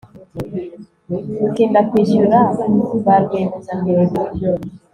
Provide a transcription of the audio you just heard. gutinda kwishyura ba rwiyemezamirimo